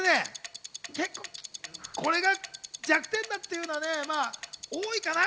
これが弱点だっていうのはね、多いかな？